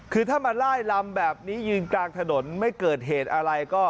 คือถ้ามาไล่ลำแบบนี้ยืนกลางถนนไม่เกิดเหตุอะไรก็